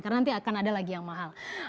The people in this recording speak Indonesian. karena nanti akan ada lagi yang mahal